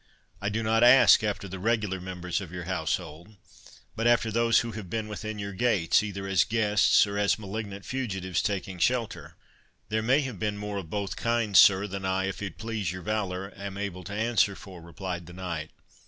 "I do not ask after the regular members of your household, but after those who have been within your gates, either as guests, or as malignant fugitives taking shelter." "There may have been more of both kinds, sir, than I, if it please your valour, am able to answer for," replied the knight.